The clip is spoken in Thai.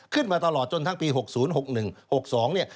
ขึ้นมาตลอดจนทั้งปี๖๐๖๑๖๒เนี่ย